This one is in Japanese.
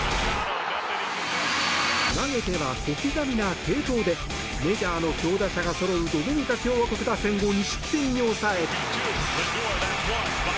投げては小刻みな継投でメジャーの強打者がそろうドミニカ共和国打線を２失点に抑え。